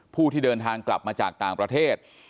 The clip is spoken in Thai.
ผู้ที่เดินทางกลับมาจากต่างประเทศ